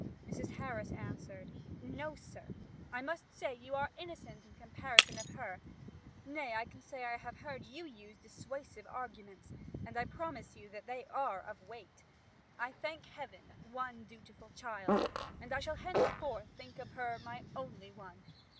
Mrs. Harris answered, 'No, sir, I must say you are innocent in comparison of her; nay, I can say I have heard you use dissuasive arguments; and I promise you they are of weight. I have, I thank Heaven, one dutiful child, and I shall henceforth think her my only one.